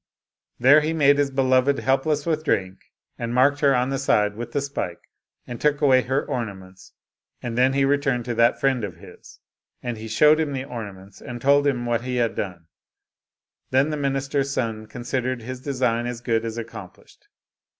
There he made his beloved helpless with drink, and marked her on the side with the spike, and took away her orna ments, and then he returned to that friend of his. And he showed him the ornaments, and told him what he had done. Then the minister's son considered his design as good as accomplished.